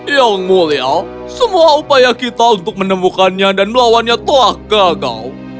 yang mulia semua upaya kita untuk menemukannya dan melawannya telah gagal